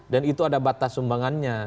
dan itu ada batas sumbangannya